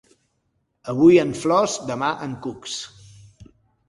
Avui en flors, demà en cucs.